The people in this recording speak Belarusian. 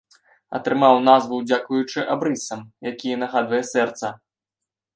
Атрымаў назву дзякуючы абрысам, якімі нагадвае сэрца.